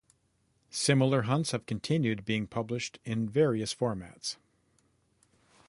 Similar hunts have continued being published in various formats.